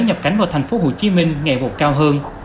nhập cảnh vào tp hcm ngày một cao hơn